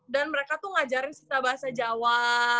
dan mereka tuh ngajarin kita bahasa jawa